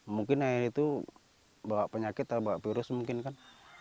mungkin ayah itu bawa penyakit atau bawa virus mungkin kan